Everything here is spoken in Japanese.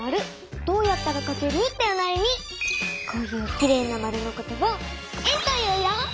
こういうきれいなまるのことを円と言うよ。